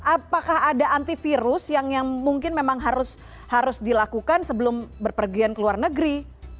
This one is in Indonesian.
apakah ada antivirus yang mungkin memang harus dilakukan sebelum berpergian ke luar negeri